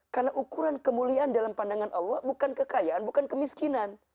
karena ukuran kemuliaan dalam pandangan allah bukan kekayaan bukan kemiskinan